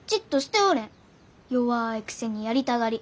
弱いくせにやりたがり。